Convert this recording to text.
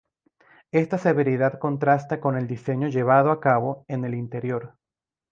Esta severidad contrasta con el diseño llevado a cabo en el interior.